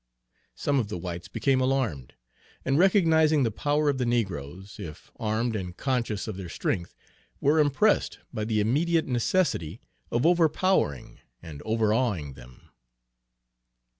Some of the whites became alarmed, and recognizing the power of the negroes, if armed and conscious of their strength, were impressed by the immediate necessity of overpowering and overawing them.